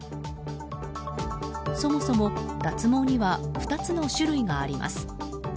そもそも脱毛には２つの種類があります。